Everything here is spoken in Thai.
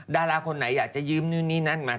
ดาราคนไหนอยากจะยืมนู่นนี่นั่นมา